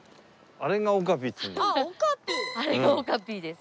あれがオカピです。